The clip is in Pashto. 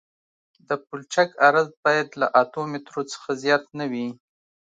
د پلچک عرض باید له اتو مترو څخه زیات نه وي